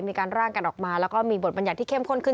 มีการร่างกันออกมาแล้วก็มีบทบัญญัติที่เข้มข้นขึ้น